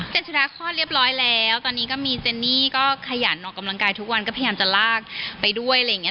เป็นสุนัขคลอดเรียบร้อยแล้วตอนนี้ก็มีเจนนี่ก็ขยันออกกำลังกายทุกวันก็พยายามจะลากไปด้วยอะไรอย่างเงี้